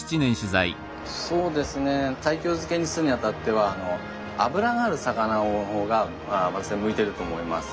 そうですね西京漬けにするにあたっては脂がある魚の方が私は向いてると思います。